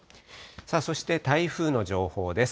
そして台風の情報です。